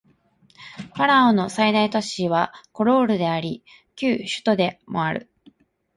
パラオの最大都市はコロールであり旧首都でもある